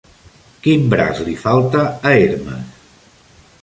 Quin braç li falta a Hermes?